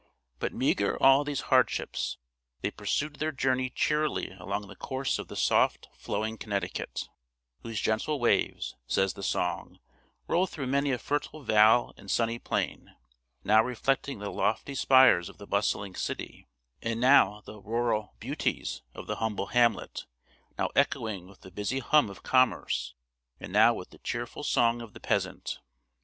But, maugre all these hardships, they pursued their journey cheerily along the course of the soft flowing Connecticut, whose gentle waves, says the song, roll through many a fertile vale and sunny plain; now reflecting the lofty spires of the bustling city, and now the rural beauties of the humble hamlet; now echoing with the busy hum of commerce, and now with the cheerful song of the peasant.